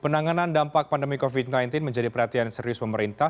penanganan dampak pandemi covid sembilan belas menjadi perhatian serius pemerintah